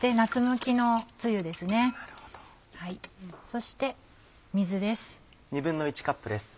そして水です。